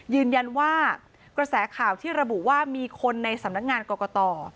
ยืนยันว่ากระแสข่าวที่ระบุว่ามีคนในสำนักงานกรกต